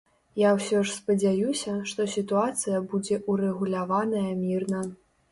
Я ўсё ж спадзяюся, што сітуацыя будзе ўрэгуляваная мірна.